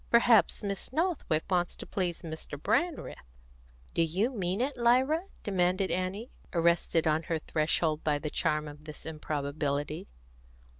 Perhaps Miss Northwick wants to please Mr. Brandreth." "Do you mean it, Lyra?" demanded Annie, arrested on her threshold by the charm of this improbability.